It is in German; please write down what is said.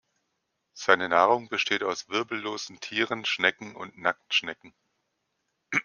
Seine Nahrung besteht aus wirbellosen Tieren, Schnecken und Nacktschnecken.